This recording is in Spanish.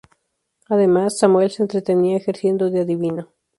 Además, Samuel se entretenía ejerciendo de adivino.